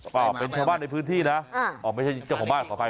เป็นชาวบ้านในพื้นที่นะไม่ใช่เจ้าของบ้านขออภัย